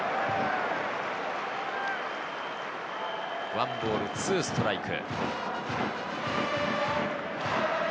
１ボール２ストライク。